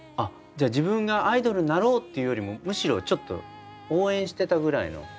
自分がアイドルになろうっていうよりもむしろちょっと応援してたぐらいの。